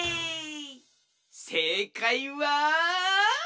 せいかいは！